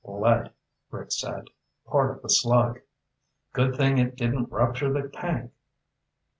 "Lead," Rick said. "Part of the slug." "Good thing it didn't rupture the tank."